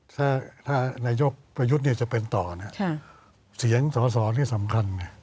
ถ้านายกประยุทธ์จะเป็นต่อเนี่ยเสียงสอสอนี่สำคัญไง